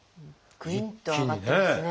グインと上がってますね。